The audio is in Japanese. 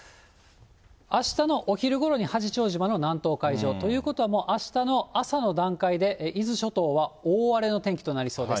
あしたのお昼ごろに八丈島の南東海上、ということはもうあしたの朝の段階で、伊豆諸島は大荒れの天気となりそうです。